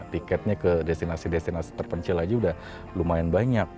tiketnya ke destinasi destinasi terpencil aja udah lumayan banyak